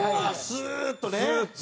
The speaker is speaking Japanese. スーッと。